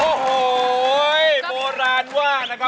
โอ้โหโบราณว่างนะครับ